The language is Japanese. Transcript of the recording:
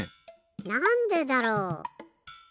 なんでだろう？